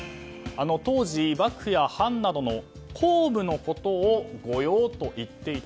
当時、幕府や藩などの公務のことを御用と言っていた。